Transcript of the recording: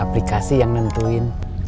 aplikasi yang nentuin